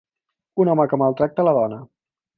Un home que maltracta la dona.